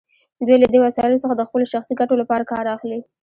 دوی له دې وسایلو څخه د خپلو شخصي ګټو لپاره کار اخلي.